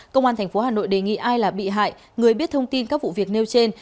công an tp hà nội đề nghị ai là bị hại người biết thông tin các vụ việc nêu trên